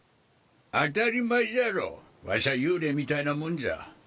当たり前じゃろワシは幽霊みたいなもんじゃ。